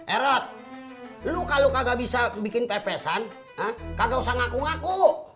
erot lo kalau kagak bisa bikin pepesan kagak usah ngaku ngaku